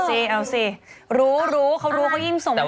เออเอาสิเขารู้เขายิ่มทรงมีไหม